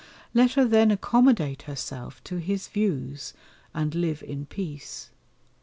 Let her then accommodate herself to his views and live in peace.